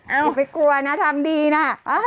อย่าไปกลัวนะทำดีนะ